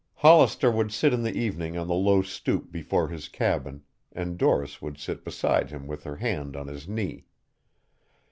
Hollister would sit in the evening on the low stoop before his cabin and Doris would sit beside him with her hand on his knee.